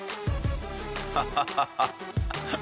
ハハハハッ。